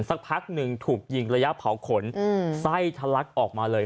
สักพักหนึ่งถูกยิงระยะเผาขนไส้ทะลักออกมาเลย